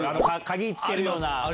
鍵つけるような。